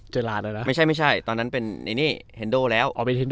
เจราะแล้วนะไม่ใช่ตอนนั้นเป็นเฮนโดแล้ว